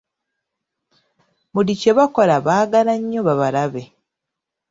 Buli kye bakola baagala nnyo babalabe.